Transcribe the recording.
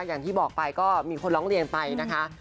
อย่างที่บอกไปก็มีคนร้องเรียนไปนะคะ